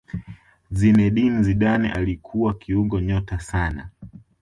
zinedine zidane alikuwa kiungo nyota sana